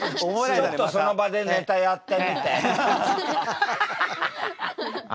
ちょっとその場でネタやってみたいな。